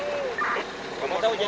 nggak ada kantor